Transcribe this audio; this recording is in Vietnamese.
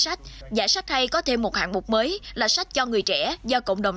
sách giải sách hay có thêm một hạng mục mới là sách cho người trẻ do cộng đồng